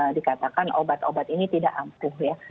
dikatakan obat obat ini tidak ampuh ya